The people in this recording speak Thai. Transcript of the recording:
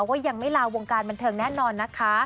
ว่ายังไม่ลาวงการบันเทิงแน่นอนนะคะ